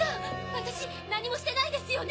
私何もしてないですよね？